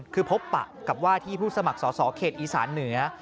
คือพบปะกับว่าที่ผู้สมัครสอสอเขตอีสานเหนือ